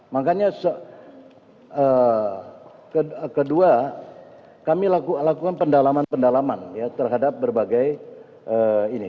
makanya kedua kami lakukan pendalaman pendalaman terhadap berbagai ini